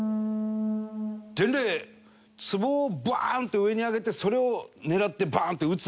壺をバーン！って上に上げてそれを狙ってバーン！って撃つ。